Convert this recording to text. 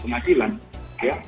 polisi tetap harus memproses